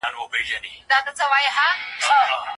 د ټولني خیر په همکارۍ کي نغښتی دی.